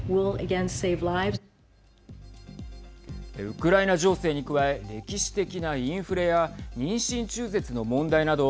ウクライナ情勢に加え歴史的なインフレや妊娠中絶の問題など